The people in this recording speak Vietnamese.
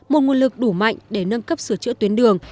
một nguồn lực đủ mạnh để nâng cấp sửa chữa tuyến đường